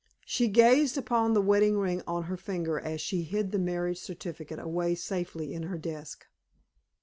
She gazed upon the wedding ring on her finger as she hid the marriage certificate away safely in her desk.